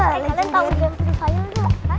kalian tau dia yang penuh sayang gak